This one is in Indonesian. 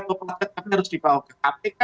atau kemudian harus dibawa ke kpk